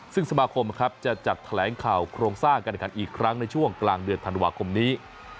ซึ่งสมาคมจะจัดแถลงข่าวโครงสร้างการแข่งขันอีกครั้งในช่วงกลางเดือนธันวาคมนี้